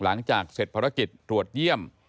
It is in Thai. หลังจากเสร็จภารกิจตรวจเยี่ยม